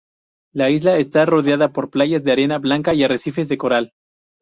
La isla está rodeada por playas de arena blanca y arrecifes de coral.